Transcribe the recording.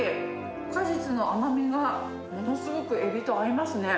果実の甘みが、ものすごくエビと合いますね。